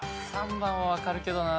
３番分かるけどな。